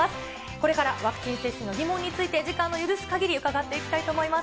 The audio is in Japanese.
これからワクチン接種の疑問について、時間の許すかぎり伺っていきたいと思います。